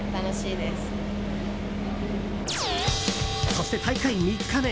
そして大会３日目。